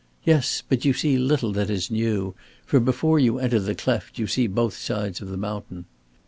Yes, but you see little that is new; for before you enter the cleft you see both sides of the mountain.